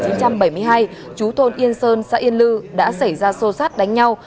năm một nghìn chín trăm bảy mươi hai trú thôn yên sơn xã yên lư đã xảy ra sâu sát đánh nhau